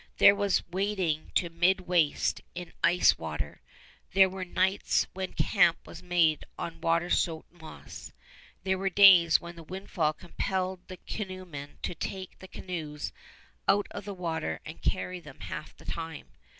There was wading to mid waist in ice water. There were nights when camp was made on water soaked moss. There were days when the windfall compelled the canoemen to take the canoes out of the water and carry them half the time.